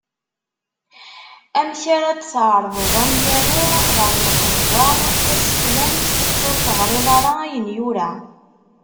Amek ara d-tɛerḍeḍ amyaru ɣer lqahwa taseklant, kečč ur teɣriḍ ara ayen yura?